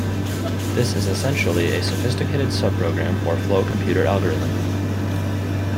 This is essentially a sophisticated subprogram or flow computer algorithm.